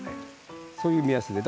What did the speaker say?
そういう目安です。